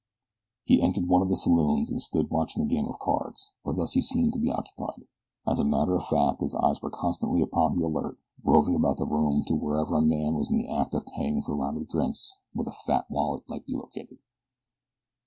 He entered one of the saloons and stood watching a game of cards, or thus he seemed to be occupied. As a matter of fact his eyes were constantly upon the alert, roving about the room to wherever a man was in the act of paying for a round of drinks that a fat wallet might be located.